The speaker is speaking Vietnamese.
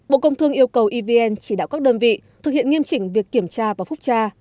bộ công thương yêu cầu evn chỉ đạo các đơn vị thực hiện nghiêm chỉnh việc kiểm tra và phúc tra